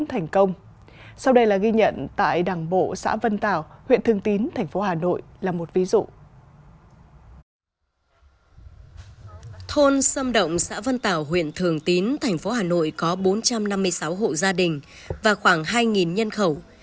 thôn sâm động xã vân tảo huyện thương tín tp hà nội có bốn trăm năm mươi sáu hộ gia đình và khoảng hai nhân khẩu